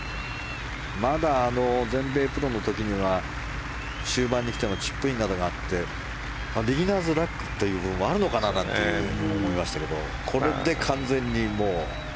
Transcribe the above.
まだ全米プロの時には終盤に来てのチップインなどがあってビギナーズラックという部分もあるのかななんて言うふうに思いましたけどこれで完全に。